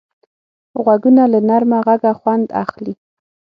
غوږونه له نرمه غږه خوند اخلي